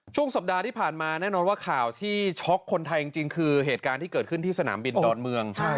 ช่วงสัปดาห์ที่ผ่านมาแน่นอนว่าข่าวที่ช็อกคนไทยจริงคือเหตุการณ์ที่เกิดขึ้นที่สนามบินดอนเมือง